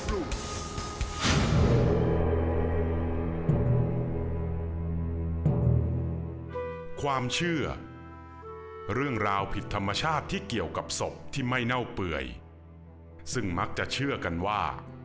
ความเชื่อเรื่องราวผิดธรรมชาติที่เกี่ยวกับศพที่ไม่เน่าเปื่อยซึ่งมักจะเชื่อกันว่า